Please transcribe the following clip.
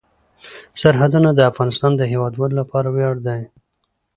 سرحدونه د افغانستان د هیوادوالو لپاره ویاړ دی.